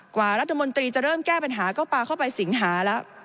กว่ารัฐมนตรีจะเริ่มแก้ปัญหาก็ปลาเข้าไปสิงหาแล้ว